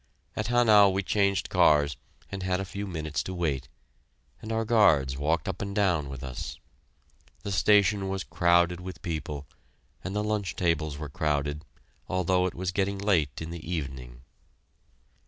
At Hanau we changed cars and had a few minutes to wait, and our guards walked up and down with us. The station was crowded with people, and the lunch tables were crowded, although it was getting late in the evening.